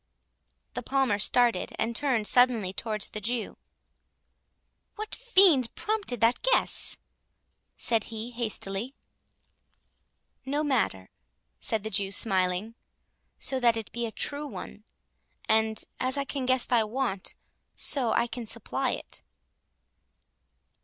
The Palmer started, and turned suddenly towards the Jew:—"What fiend prompted that guess?" said he, hastily. "No matter," said the Jew, smiling, "so that it be a true one—and, as I can guess thy want, so I can supply it."